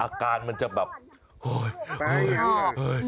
อาการมันจะแบบโอ้ยโอ้ยโอ้ย